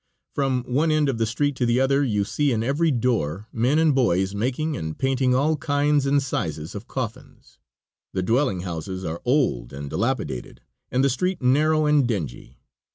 From one end of the street to the other you see in every door men and boys making and painting all kinds and sizes of coffins. The dwelling houses are old and dilapidated, and the street narrow and dingy.